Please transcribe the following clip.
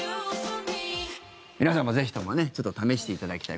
皆さんもぜひとも試していただきたい。